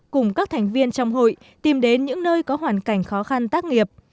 cùng các thành viên trong hội tìm đến những nơi có hoàn cảnh khó khăn tác nghiệp